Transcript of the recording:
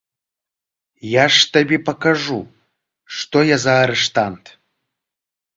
Я ж табе пакажу, што я за арыштант!